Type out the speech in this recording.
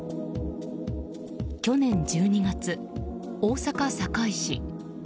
去年１２月、大阪・堺市。